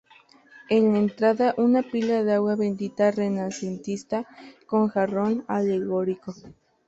En la entrada, una pila de agua bendita renacentista con jarrón alegórico.